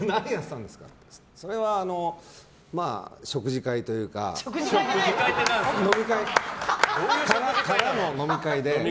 それは食事会というかからの、飲み会で。